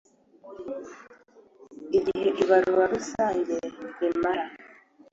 igihe ibarura rusange rimara